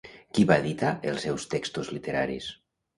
Qui va editar els seus textos literaris?